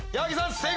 正解！